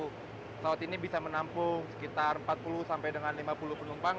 pesawat ini bisa menampung sekitar empat puluh sampai dengan lima puluh penumpang